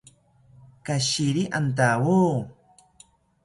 Katshiri antawo